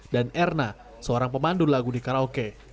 erna seorang pemandu lagu di karaoke